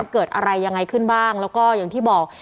เกิดอะไรยังไงขึ้นบ้างแล้วก็อย่างที่บอก